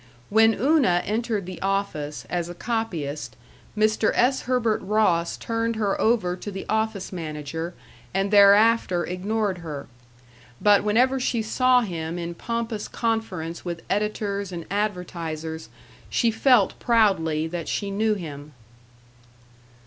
When Una entered the office, as a copyist, Mr. S. Herbert Ross turned her over to the office manager, and thereafter ignored her; but whenever she saw him in pompous conference with editors and advertisers she felt proudly that she knew him.